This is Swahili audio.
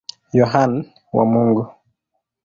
Yohane wa Mungu.